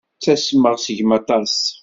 Ttasmeɣ seg-m aṭas.